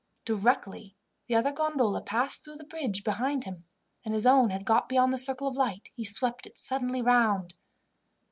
Directly the other gondola passed through the bridge behind him, and his own had got beyond the circle of light, he swept it suddenly round.